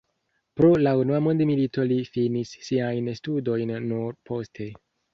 Pro la unua mondmilito li finis siajn studojn nur poste.